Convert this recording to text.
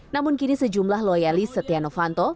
namun kini sejumlah loyalis setia novanto